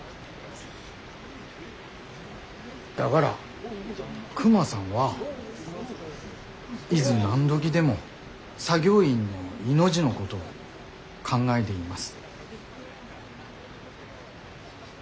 だがらクマさんはいづ何時でも作業員の命のごどを考えでいます。